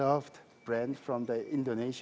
oleh para penerbangan truk indonesia